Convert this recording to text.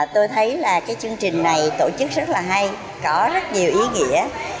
tôi thấy là cái chương trình này tổ chức rất là hay có rất nhiều ý nghĩa